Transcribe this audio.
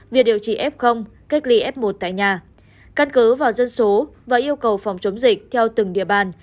việc điều trị f cách ly f một tại nhà căn cứ vào dân số và yêu cầu phòng chống dịch theo từng địa bàn